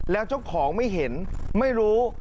แล้วเจ้าของไม่เห็นไม่รู้